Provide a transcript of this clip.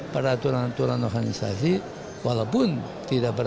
peraturan aturan organisasi walaupun tidak berat